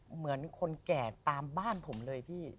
เหมือนคนแก่ตามบ้านผมเลยพี่